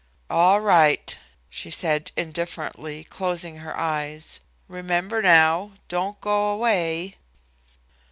"All right," she said indifferently, closing her eyes. "Remember now, don't go away."